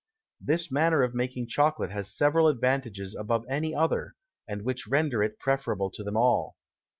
This Manner of making Chocolate has several Advantages above any other, and which render it preferable to them all.